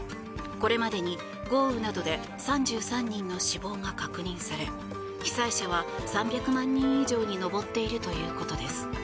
これまでに豪雨などで３３人の死亡が確認され被災者は３００万人以上に上っているということです。